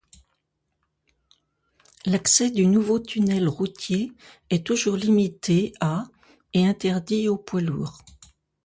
L'accès du nouveau tunnel routier est toujours limité à et interdit aux poids lourds.